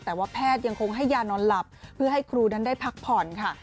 แต่ว่าแพทย์ยังคงให้ยานอนหลับเพื่อให้ครูนั้นได้พักผ่อนค่ะ